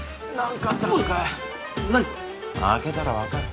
開けたら分かる。